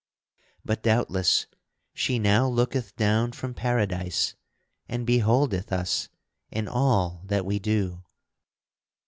But, doubtless, she now looketh down from Paradise and beholdeth us and all that we do."